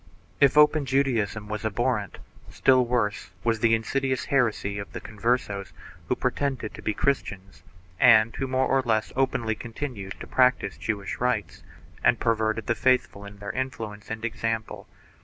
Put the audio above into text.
If open Judaism thus was abhorrent, still worse was the insidious heresy of the Converses who pretended to be Christians and who more or less openly continued to practise Jewish rites and per verted the faithful by their influence and example.